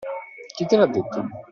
Chi te l'ha detto?